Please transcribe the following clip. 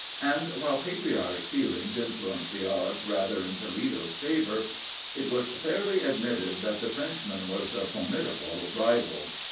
And while patriotic feeling influenced the odds rather in Toledo's favor, it was fairly admitted that the Frenchman was a formidable rival.